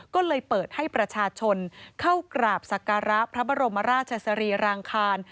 ก็เลยเปิดให้ประชาชนเข้ากราบศักระพระบรมราชสรีรางคาร